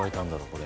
これ。